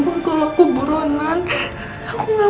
ini cukup pa traditional